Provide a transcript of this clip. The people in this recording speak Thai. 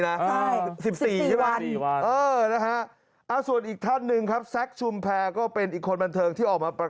ใช่๑๔ใช่ไหมส่วนอีกท่านหนึ่งครับแซคชุมแพรก็เป็นอีกคนบันเทิงที่ออกมาประกาศ